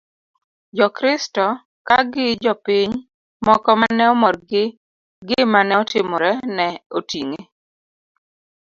jokristo ka gi jopiny moko ma ne omor gi gimane otimore ne oting'e